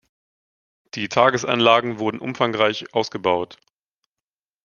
Die Tagesanlagen wurden umfangreich ausgebaut.